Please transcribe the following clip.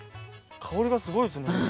香りがすごいですね